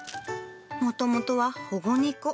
もともとは保護猫。